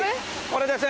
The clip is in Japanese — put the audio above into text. これです。